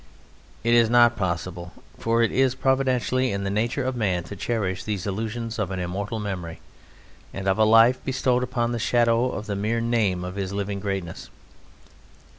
It is not possible, for it is providentially in the nature of man to cherish these illusions of an immortal memory and of a life bestowed upon the shade or the mere name of his living greatness.